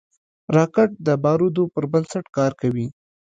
راکټ د بارودو پر بنسټ کار کوي